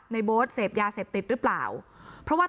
ในโบ๊ทเสพยาเสพติดหรือเปล่า